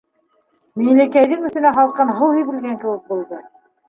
Миңлекәйҙең өҫтөнә һалҡын һыу һибелгән кеүек булды.